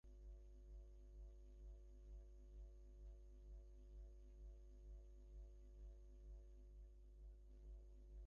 সাধুদিগের পরিত্রাণ, দুষ্কৃতির বিনাশ এবং ধর্মসংস্থাপনের জন্য আমি যুগে যুগে অবর্তীর্ণ হই।